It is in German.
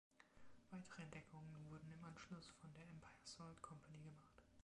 Weitere Entdeckungen wurden im Anschluss von der Empire Salt Company gemacht.